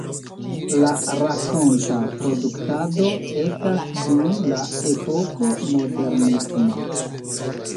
La rakonta produktado ekas dum la epoko modernisma.